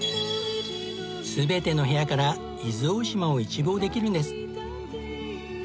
全ての部屋から伊豆大島を一望できるんです。